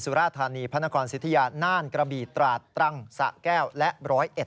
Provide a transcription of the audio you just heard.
สุรฆาณีพนักรของศิษยานนาลกราบีตราตรังสักแก้วและร้อยเอ็ด